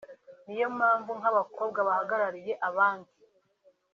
niyo mpamvu nk’abakobwa bahagarariye abandi